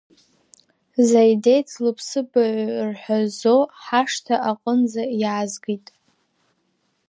Заидеҭ лыԥсыбаҩ рҳәазо ҳашҭа аҟынӡа иаазгеит.